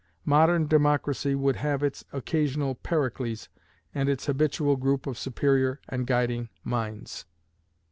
Modern democracy would have its occasional Pericles, and its habitual group of superior and guiding minds.